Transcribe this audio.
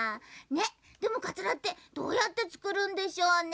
でもかつらってどうやってつくるんでしょうね？